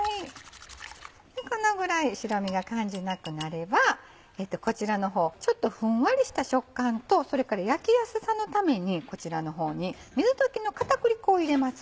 このぐらい白身が感じなくなればこちらの方ちょっとふんわりした食感とそれから焼きやすさのためにこちらの方に水溶きの片栗粉を入れます。